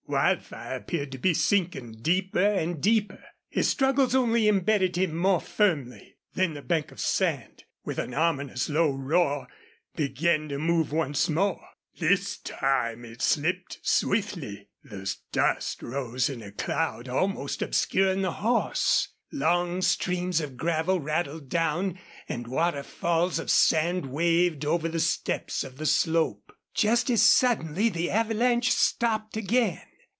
Wildfire appeared to be sinking deeper and deeper. His struggles only embedded him more firmly. Then the bank of sand, with an ominous, low roar, began to move once more. This time it slipped swiftly. The dust rose in a cloud, almost obscuring the horse. Long streams of gravel rattled down, and waterfalls of sand waved over the steps of the slope. Just as suddenly the avalanche stopped again.